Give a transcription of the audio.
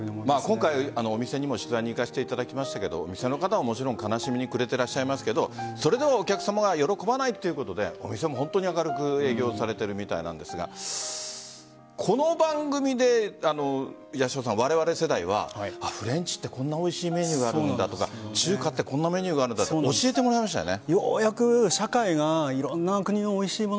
今回、お店にも取材に行かせていただきましたがお店の方はもちろん悲しみに暮れていると思いますがそれではお客さまが喜ばないということでお店も本当に明るく営業されているみたいなんですがこの番組でわれわれ世代はフレンチってこんなおいしいメニューがあるんだとか中華ってこんなメニューがあるんだとか教えてもらいましたよね。